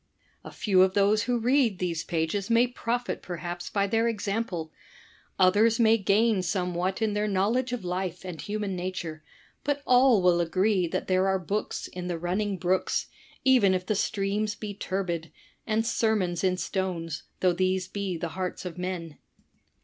A few of those who read these pages may profit perhaps by their example; others may gain somewhat in their knowledge of life and 58 THE TECHNIQUE OF THE MYSTERY STORY human nature; but all will agree that there are books in the running brooks, even if the streams be turbid, and sermons in stones, though these be the hearts of men.